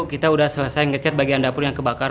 kita udah selesai nge chat bagian dapur yang kebakar